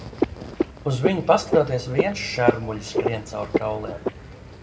Uz viņu paskatoties vien šermuļi skrien caur kauliem.